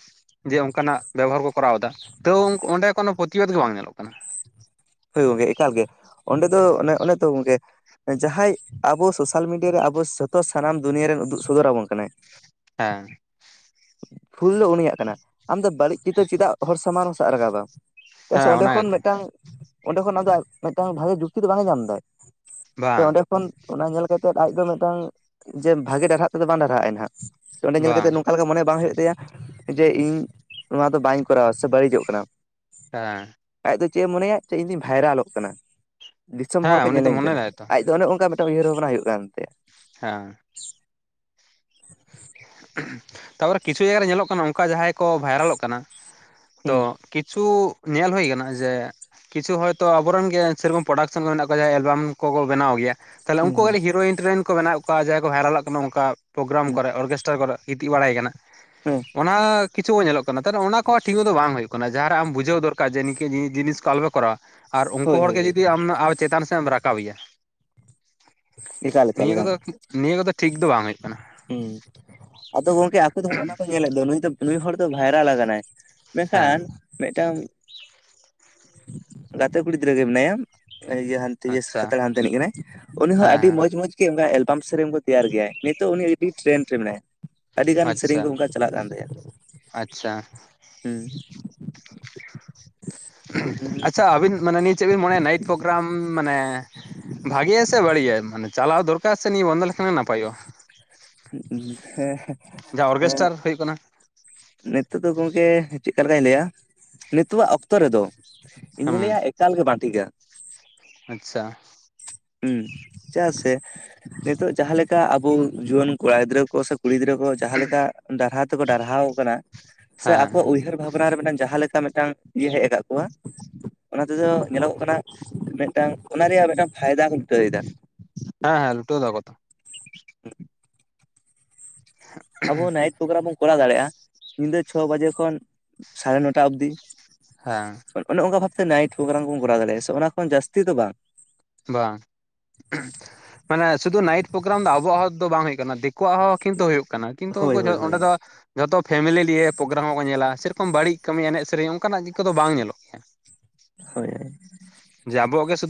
Speaker 1: ᱡᱮ ᱚᱱᱠᱟᱱᱟᱜ ᱵᱮᱵᱚᱦᱟᱨ ᱠᱚ ᱠᱚᱨᱟᱣ ᱫᱟ ᱛᱟᱣ ᱚᱸᱰᱮ ᱠᱳᱱᱳ ᱯᱨᱚᱛᱤᱵᱟᱫ ᱜᱮ ᱵᱟᱝ ᱧᱮᱞᱚᱜ ᱠᱟᱱᱟ
Speaker 2: ᱦᱳᱭ ᱜᱚᱝᱠᱮ ᱮᱠᱟᱞ ᱜᱮ ᱚᱸᱰᱮ ᱫᱚ ᱚᱱᱮ ᱚᱱᱮ ᱛᱚ ᱜᱚᱝᱠᱮ ᱡᱟᱦᱟᱸᱭ ᱟᱵᱚ ᱥᱳᱥᱟᱞ ᱢᱤᱰᱤᱭᱟ ᱨᱮ ᱟᱵᱚ ᱡᱚᱛᱚ ᱥᱟᱱᱟᱢ ᱫᱩᱱᱤᱭᱟᱹ ᱨᱮᱱ ᱩᱫᱩᱜ ᱥᱚᱫᱚᱨᱟᱵᱚᱱ ᱠᱟᱱᱟᱭ
Speaker 1: ᱦᱮᱸ
Speaker 2: ᱵᱷᱩᱞ ᱫᱚ ᱩᱱᱤᱭᱟᱜ ᱠᱟᱱᱟ ᱟᱢᱫᱚ ᱵᱟᱹᱲᱤᱡ ᱪᱤᱛᱟᱹᱨ ᱪᱮᱫᱟᱜ ᱦᱚᱲ ᱥᱟᱢᱟᱝ ᱦᱚᱸ ᱥᱟᱵ ᱨᱟᱠᱟᱵ ᱫᱟ ᱪᱮᱫᱟᱜ ᱥᱮ
Speaker 1: ᱦᱮᱸ
Speaker 2: ᱚᱸᱰᱮ
Speaker 1: ᱚᱱᱟ
Speaker 2: ᱠᱷᱚᱱ
Speaker 1: ᱜᱮᱛᱚ
Speaker 2: ᱢᱤᱫᱴᱟᱝ ᱚᱸᱰᱮ ᱠᱷᱚᱱ ᱟᱫᱚ ᱢᱤᱫᱴᱟᱝ ᱵᱷᱟᱜᱮ ᱡᱩᱠᱛᱤ ᱫᱚ ᱵᱟᱝᱮ ᱧᱟᱢ ᱫᱟᱭ ᱥᱮ
Speaker 1: ᱵᱟᱝ
Speaker 2: ᱚᱸᱰᱮ ᱠᱷᱚᱱ ᱚᱱᱟ ᱧᱮᱞ ᱠᱟᱛᱮᱫ ᱟᱡ ᱫᱚ ᱢᱤᱫᱴᱟᱝ ᱡᱮ ᱵᱷᱟᱜᱮ ᱰᱟᱦᱟᱨ ᱛᱮᱫᱚ ᱵᱟᱝ ᱰᱟᱦᱟᱜᱼᱟᱭ ᱱᱟᱱᱟᱜ ᱚᱸᱰᱮ ᱧᱮᱞ
Speaker 1: ᱵᱟᱝ
Speaker 2: ᱠᱟᱛᱮᱜ ᱱᱚᱝᱠᱟ ᱞᱮᱠᱟ ᱢᱚᱱᱮ ᱵᱟᱝ ᱦᱩᱭᱩᱜ ᱛᱟᱭᱟ ᱡᱮ ᱤᱧ ᱱᱚᱣᱟ ᱫᱚ ᱵᱟᱹᱧ ᱠᱚᱨᱟᱣᱟ ᱥᱮ ᱵᱟᱹᱲᱤᱡᱚᱜ ᱠᱟᱱᱟ
Speaker 1: ᱦᱮᱸ
Speaker 2: ᱟᱡ ᱫᱚ ᱪᱮᱫ ᱮ ᱢᱚᱱᱮᱭᱟ ᱤᱧᱫᱩᱧ ᱵᱷᱟᱭᱨᱟᱞᱚᱜ ᱠᱟᱱᱟ ᱫᱤᱥᱚᱢ ᱦᱚᱲ ᱠᱚ
Speaker 1: ᱦᱮᱸ ᱩᱱᱤ ᱫᱚ
Speaker 2: ᱧᱮᱞᱮᱧ
Speaker 1: ᱢᱚᱱᱮ
Speaker 2: ᱠᱟᱱᱟ
Speaker 1: ᱫᱟᱭ ᱛᱚ
Speaker 2: ᱟᱡ ᱫᱚ ᱚᱱᱮ ᱚᱱᱠᱟ ᱩᱭᱦᱟᱹᱨ ᱵᱷᱟᱵᱽᱱᱟ ᱦᱩᱭᱩᱜ ᱠᱟᱱᱛᱮ
Speaker 1: ᱦᱮᱸ ᱛᱟᱯᱚᱨᱮ ᱠᱤᱪᱷᱩ ᱡᱟᱭᱜᱟ ᱨᱮ ᱧᱮᱞᱚᱜ ᱠᱟᱱᱟ ᱚᱱᱠᱟ ᱡᱟᱦᱟᱸᱭ ᱠᱚ ᱵᱷᱟᱭᱨᱟᱞᱚᱜ ᱠᱟᱱᱟ
Speaker 2: ᱦᱩᱸ
Speaker 1: ᱛᱚ ᱠᱤᱪᱷᱩ ᱧᱮᱞ ᱦᱩᱭ ᱠᱟᱱᱟ ᱡᱮ ᱠᱤᱪᱷᱩ ᱦᱚᱭᱛᱳ ᱟᱵᱚ ᱨᱮᱱ ᱜᱮ ᱥᱮᱨᱚᱠᱚᱢ ᱯᱨᱚᱰᱟᱠᱥᱮᱱ ᱠᱚ ᱢᱮᱱᱟᱜ ᱠᱚᱣᱟ ᱡᱟᱦᱟᱸᱭ ᱮᱞᱵᱟᱢ ᱠᱚᱠᱚ ᱵᱮᱱᱟᱣ ᱜᱮᱭᱟ ᱛᱟᱦᱚᱞᱮ
Speaker 2: ᱦᱩᱸ
Speaker 1: ᱩᱱᱠᱩ
Speaker 2: ᱦᱩᱸ
Speaker 1: ᱠᱟᱴᱤᱡ ᱦᱤᱨᱳᱭᱤᱱ ᱴᱮᱨᱳᱭᱤᱱ ᱠᱚ ᱵᱮᱱᱟᱣ ᱮᱫ ᱠᱚᱣᱟ ᱡᱟᱦᱟᱸᱭ ᱠᱚ ᱵᱷᱟᱭᱨᱟᱞᱚᱜ ᱠᱟᱱᱟ ᱚᱠᱟ ᱯᱨᱳᱠᱜᱨᱟᱢ
Speaker 2: ᱦᱩᱸ
Speaker 1: ᱠᱚᱨᱮ ᱚᱨᱜᱮᱥ ᱴᱟᱨ ᱠᱚᱨᱮ ᱜᱤᱛᱤᱡ ᱵᱟᱲᱟᱭ ᱠᱟᱱᱟ
Speaker 2: ᱦᱮᱸ
Speaker 1: ᱚᱱᱟ ᱠᱤᱪᱷᱩ ᱠᱚ ᱧᱮᱞᱚᱜ ᱠᱟᱱᱟ ᱛᱟᱦᱮ ᱚᱱᱟᱦᱚᱸ ᱴᱷᱤᱠ ᱫᱚ ᱵᱟᱝ ᱦᱩᱭᱩᱜ ᱠᱟᱱᱟ ᱡᱟᱦᱟᱸᱨᱮᱢ ᱵᱩᱡᱷᱟᱹᱣ ᱫᱚᱨᱠᱟᱨ ᱡᱮ ᱱᱤᱝᱠᱟᱹᱱ ᱡᱤᱱᱤᱥ ᱠᱚ ᱟᱞᱚ ᱠᱚᱨᱟᱣᱟ ᱟᱨ ᱩᱱᱠᱩ
Speaker 2: ᱦᱳᱭ ᱦᱳᱭ
Speaker 1: ᱦᱚᱲᱜᱮ
Speaker 2: ᱦᱳᱭ
Speaker 1: ᱡᱩᱫᱤ ᱟᱢ ᱪᱮᱛᱟᱱ ᱥᱮᱫ ᱜᱮᱢ ᱨᱟᱠᱟᱵᱼᱟ
Speaker 2: ᱮᱠᱟᱞ ᱮᱠᱟᱞ
Speaker 1: ᱱᱤᱭᱟᱹ ᱠᱚᱫᱚ ᱱᱤᱭᱟᱹ ᱠᱚᱫᱚ ᱴᱷᱤᱠ ᱫᱚ ᱵᱟᱝ ᱦᱩᱭᱩᱜ ᱠᱟᱱᱟ
Speaker 2: ᱦᱮᱸ ᱟᱫᱚ ᱜᱚᱝᱠᱮ ᱟᱠᱚ ᱫᱚ ᱚᱱᱟ ᱠᱚ ᱧᱮᱞᱮᱫ ᱫᱚ ᱱᱩᱭ ᱫᱚ ᱱᱩᱭ ᱦᱚᱲ ᱫᱚ ᱵᱷᱟᱭᱨᱟᱞ ᱟᱠᱟᱱᱟᱭ
Speaker 1: ᱦᱮᱸ
Speaker 2: ᱢᱮᱱᱠᱷᱟᱱ ᱢᱤᱫᱴᱟᱝ ᱜᱟᱛᱮ ᱠᱩᱲᱤ ᱜᱤᱫᱽᱨᱟᱹ ᱜᱮ ᱢᱮᱱᱟᱭᱟ ᱤᱭᱟᱹ ᱦᱟᱱᱛᱮ
Speaker 1: ᱟᱪᱪᱷᱟ
Speaker 2: ᱠᱷᱟᱛᱲᱟ ᱦᱟᱱᱛᱮ ᱨᱤᱱᱤᱡ ᱠᱟᱱᱟᱭ ᱩᱱᱤ ᱦᱚᱸ
Speaker 1: ᱦᱮᱸ
Speaker 2: ᱟᱹᱰᱤ
Speaker 1: ᱦᱮᱸ
Speaker 2: ᱢᱚᱸᱡᱽ ᱢᱚᱸᱡᱽ ᱱᱤᱛ ᱮᱞᱵᱟᱢ ᱥᱮᱨᱮᱧ ᱠᱚᱭ ᱛᱮᱭᱟᱨ ᱜᱮᱭᱟ ᱱᱤᱛ ᱩᱱᱤ ᱟᱹᱰᱤ ᱴᱨᱮᱱᱰ ᱨᱮ ᱢᱮᱱᱟᱭᱟ ᱟᱹᱰᱤ ᱜᱟᱱ ᱥᱮᱨᱮᱧ
Speaker 1: ᱟᱪᱪᱷᱟ
Speaker 2: ᱠᱚ ᱚᱱᱠᱟ ᱪᱟᱞᱟᱜ ᱠᱟᱱ ᱛᱟᱭᱟ
Speaker 1: ᱟᱪᱪᱷᱟ
Speaker 2: ᱦᱩᱸ
Speaker 1: ᱟᱪᱪᱷᱟ ᱟᱵᱤᱱ ᱢᱟᱱᱮ ᱱᱤᱭᱟᱹ ᱪᱮᱫ ᱵᱤᱱ ᱢᱚᱱᱮᱭᱟ ᱱᱟᱭᱤᱴ ᱯᱨᱳᱜᱨᱟᱢ ᱢᱟᱱᱮ ᱵᱷᱟᱜᱮᱟᱭ ᱥᱮ ᱵᱟᱹᱲᱤᱡᱟᱭ ᱢᱟᱱᱮ ᱪᱟᱞᱟᱣ ᱫᱚᱨᱠᱟᱨ ᱥᱮ ᱱᱤᱭᱟᱹ ᱵᱚᱱᱫᱚ ᱞᱮᱠᱷᱟᱱ ᱱᱟᱯᱟᱭᱚᱜᱼᱟ
Speaker 2: ᱦᱮᱸ ᱦᱮᱸ
Speaker 1: ᱡᱟᱦᱟᱸ ᱚᱨᱜᱮᱥᱴᱟᱨ ᱦᱩᱭᱩᱜ ᱠᱟᱱᱟ
Speaker 2: ᱱᱤᱛᱚᱜ ᱫᱚ ᱜᱚᱝᱠᱮ ᱪᱮᱫ ᱞᱮᱠᱟᱧ ᱞᱟᱹᱭᱟ ᱱᱤᱛᱚᱜ ᱟᱜ ᱚᱠᱛᱚ ᱨᱮᱫᱚ ᱤᱧ
Speaker 1: ᱦᱩᱸ
Speaker 2: ᱫᱚᱧ ᱞᱟᱹᱭᱟ ᱮᱠᱟᱞ ᱜᱮ ᱵᱟᱝ ᱴᱷᱤᱠᱟ
Speaker 1: ᱟᱪᱪᱷᱟ᱾
Speaker 2: ᱦᱮᱸ ᱪᱟᱹ ᱥᱮ ᱱᱤᱛᱚᱜ ᱡᱟᱦᱟᱸᱞᱮᱠᱟ ᱟᱵᱚ ᱡᱩᱣᱟᱹᱱ ᱾ ᱠᱚᱲᱟ ᱜᱤᱫᱽᱨᱟᱹ ᱠᱚ ᱥᱮ ᱠᱩᱲᱤ ᱜᱤᱫᱽᱨᱟᱹ ᱠᱚ ᱡᱟᱦᱟᱸ ᱞᱮᱠᱟ ᱰᱟᱨᱦᱟ ᱛᱮᱠᱚ ᱰᱟᱨᱦᱟᱣ ᱟᱠᱟᱱᱟ ᱥᱮ
Speaker 1: ᱦᱮᱸ
Speaker 2: ᱟᱠᱚ ᱩᱭᱦᱟᱹᱨ ᱾ ᱵᱷᱟᱵᱱᱟ ᱨᱮ ᱢᱤᱫ ᱴᱟᱝ ᱡᱟᱦᱟᱸ ᱞᱮᱠᱟ ᱢᱤᱫᱴᱟᱝ ᱤᱭᱟᱹ ᱦᱮᱡ ᱟᱠᱟᱫ ᱠᱚᱣᱟ ᱚᱱᱟ ᱾ ᱱᱚᱛᱮ ᱫᱚ ᱧᱮᱞᱚᱜ ᱠᱟᱱᱟ ᱢᱤᱫ ᱴᱟᱝ ᱚᱱᱟ ᱨᱮᱭᱟᱜ ᱢᱤᱫ ᱴᱟᱝ ᱯᱷᱟᱭᱫᱟ ᱠᱚ ᱞᱩᱴᱟᱹᱟᱹᱭᱮᱫᱟ ᱾
Speaker 1: ᱦᱮᱸ ᱦᱮᱸ ᱞᱩᱴᱟᱹᱣ ᱫᱟ ᱠᱚ ᱛᱚ ᱾ ᱦᱮ [inaudible]
Speaker 2: ᱟᱵᱚ ᱱᱟᱭᱤᱴ ᱯᱨᱳᱜᱨᱟᱢ ᱵᱚᱱ ᱠᱚᱨᱟᱣ ᱫᱟᱲᱮᱭᱟᱜᱼᱟ ᱧᱤᱫᱟᱹ ᱪᱷᱚ ᱵᱟᱡᱮ ᱠᱷᱚᱱ ᱥᱟᱲᱮ ᱱᱚᱴᱟ ᱚᱵᱫᱤ ᱾
Speaker 1: ᱦᱮᱸ ᱾
Speaker 2: ᱚᱱᱮ ᱚᱱᱠᱟ ᱵᱷᱟᱵ ᱛᱮ ᱱᱟᱭᱤᱴ ᱯᱨᱳᱜᱨᱟᱢ ᱠᱚᱨᱟᱣ ᱫᱟᱲᱮᱭᱟᱜᱼᱟ ᱚᱱᱟ ᱠᱷᱚᱱ ᱡᱟᱹᱥᱛᱤ ᱫᱚ ᱵᱟᱝ ᱾
Speaker 1: ᱵᱟᱝ ᱾ ᱢᱟᱱᱮ ᱥᱩᱫᱷᱩ ᱱᱟᱭᱤᱴ ᱯᱨᱳᱜᱨᱟᱢ ᱫᱚ ᱟᱵᱚᱣᱟᱜ ᱦᱚᱲ ᱫᱚ ᱵᱟᱝ ᱦᱩᱭᱩᱜ ᱠᱟᱱᱟ ᱫᱤᱠᱩᱣᱟᱜ ᱦᱚᱸ ᱠᱤᱱᱛᱩ ᱦᱩᱭᱩᱜ ᱠᱟᱱᱟ᱾ ᱠᱤᱱᱛᱩ ᱩᱱᱠᱩ
Speaker 2: ᱦᱳᱭ ᱦᱳᱭ ᱦᱳᱭ
Speaker 1: ᱚᱸᱰᱮ ᱫᱚ ᱡᱷᱚᱛᱚ ᱯᱷᱮᱢᱮᱞᱤ ᱞᱤᱭᱮ ᱯᱨᱳᱜᱨᱟᱢ ᱦᱚᱸᱠᱚ ᱧᱮᱞᱟ ᱥᱮᱨᱚᱠᱚᱢ ᱵᱟᱹᱲᱤᱡ ᱠᱟᱹᱢᱤ ᱮᱱᱮᱡ ᱥᱮᱹᱨᱮᱹᱧ ᱚᱱᱠᱟᱱᱟᱜ ᱫᱤᱠ ᱠᱚᱫᱚ ᱵᱟᱝ ᱧᱮᱞᱚᱜ ᱜᱮᱭᱟ ᱾ [unintelligible]
Speaker 2: ᱦᱳᱹᱭ ᱦᱳᱹᱭ ᱾
Speaker 1: ᱡᱮ ᱟᱵᱚᱣᱟᱜ ᱜᱮ ᱥᱩᱫᱩ ᱾